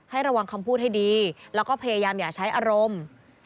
ระวังคำพูดให้ดีแล้วก็พยายามอย่าใช้อารมณ์